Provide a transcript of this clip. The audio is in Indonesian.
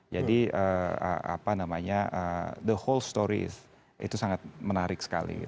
jadi the whole story itu sangat menarik sekali